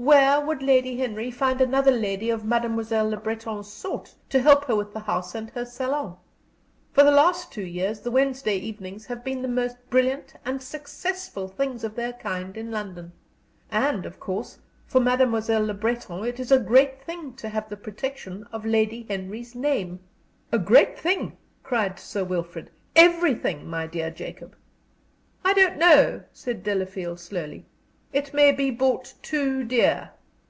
Where would Lady Henry find another lady of Mademoiselle Le Breton's sort to help her with her house and her salon? For the last two years the Wednesday evenings have been the most brilliant and successful things of their kind in London. And, of course, for Mademoiselle Le Breton it is a great thing to have the protection of Lady Henry's name " "A great thing?" cried Sir Wilfrid. "Everything, my dear Jacob!" "I don't know," said Delafield, slowly. "It may be bought too dear."